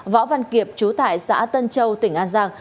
võ văn kiệp chú tại xã tân châu tỉnh an giang